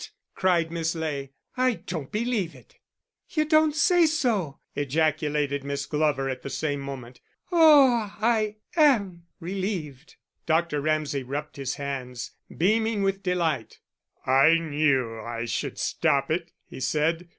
cried Miss Ley. "I don't believe it." "You don't say so," ejaculated Miss Glover at the same moment. "Oh, I am relieved." Dr. Ramsay rubbed his hands, beaming with delight. "I knew I should stop it," he said.